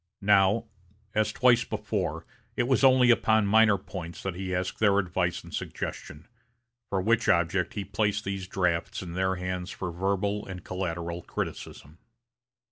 Now, as twice before it was only upon minor points that he asked their advice and suggestion, for which object he placed these drafts in their hands for verbal and collateral criticism.